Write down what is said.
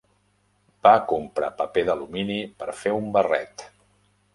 Va comprar paper d'alumini per fer un barret.